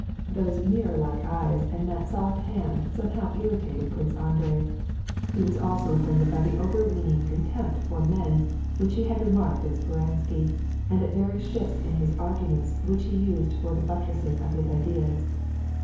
These mirror like eyes and that soft hand somehow WAR AND PEACE. 173 irritated Prince Andrei. He was also offended by the over weening contempt for men which he had remarked in Speran skiy and at the various shifts in his arguments which he used for the buttressing of his ideas.